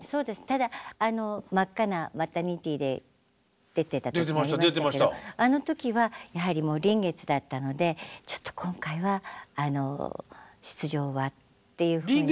ただ真っ赤なマタニティーで出ていた時ありましたけどあの時はやはりもう臨月だったので「ちょっと今回は出場は」っていうふうに。